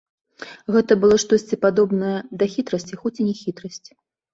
Гэта было штосьці падобнае да хітрасці, хоць і не хітрасць.